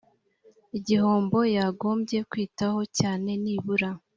igihombo yagombye kwitaho cyane nibura